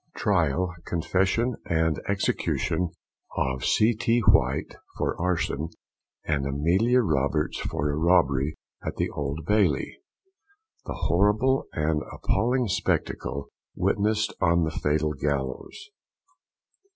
TRIAL, CONFESSION, & EXECUTION OF C. T. WHITE, FOR ARSON, & AMELIA ROBERTS, FOR A ROBBERY, AT THE OLD BAILEY. THE Horrible & Appaling Spectacle WITNESSED ON THE FATAL GALLOWS.